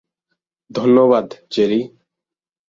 ধন্যবাদ, জেরি।